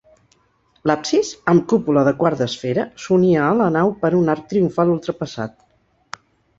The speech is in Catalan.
L'absis, amb cúpula de quart d'esfera, s'unia a la nau per un arc triomfal ultrapassat.